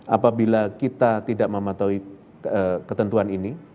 apabila kita tidak mematuhi ketentuan ini